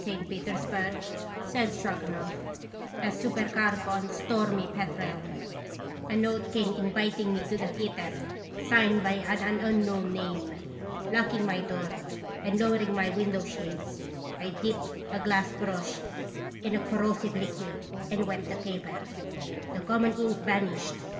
St. Peters burg," said Stroganoff, "as supercargo on the Stormy Petrel, a note came inviting me to the theatre, signed by an unknown name. Lock ing my door and lowering my window shades, I dipped a glass brush in a corrosive liquid and wet the paper. The common ink vanished.